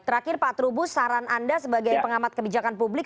terakhir pak trubus saran anda sebagai pengamat kebijakan publik